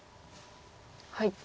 はい。